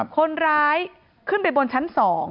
คนร้ายขึ้นไปบนชั้น๒